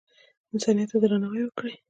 انسانیت ته درناوی وکړئ